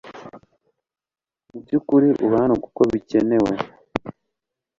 Mubyukuri uba hano kuko bikenewe